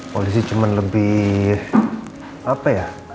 polisi cuman lebih apa ya